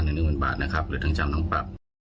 หนึ่งหนึ่งหมื่นบาทนะครับหรือทั้งจำทั้งปรับ